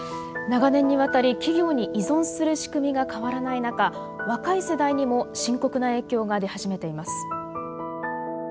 長年にわたり企業に依存する仕組みが変わらない中若い世代にも深刻な影響が出始めています。